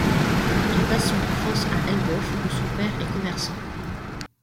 Il passe son enfance à Elbeuf, où son père est commerçant.